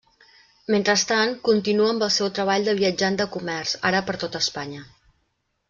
Mentrestant, continua amb el seu treball de viatjant de comerç, ara per tot Espanya.